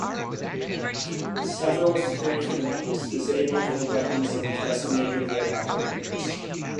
Several strafing runs disabled the weapons and decimated their operators.